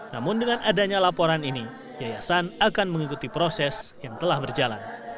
namun dengan adanya laporan ini yayasan akan mengikuti proses yang telah berjalan